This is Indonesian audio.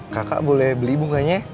kakak boleh beli bunganya